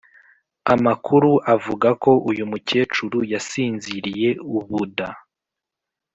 amakuru avuga ko uyu mukecuru yasinziriye ubuda